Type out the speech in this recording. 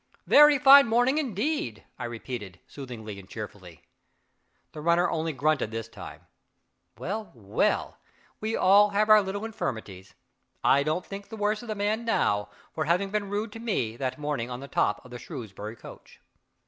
"Very fine morning, indeed," I repeated, soothingly and cheerfully. The runner only grunted this time. Well, well! we all have our little infirmities. I don't think the worse of the man now, for having been rude to me, that morning, on the top of the Shrewsbury coach.